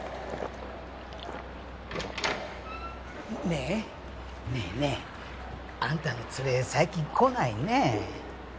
ねえねえねえ。あんたの連れ最近来ないねえ。